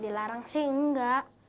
dilarang sih enggak